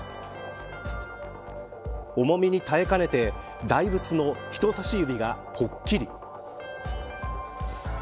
重みに耐えかねて大仏の人さし指が、ぽっきり。